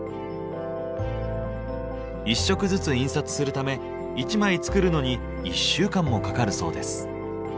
１色ずつ印刷するため１枚作るのに１週間もかかるそうです。